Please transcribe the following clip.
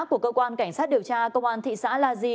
của cơ quan cảnh sát điều tra công an thị xã la di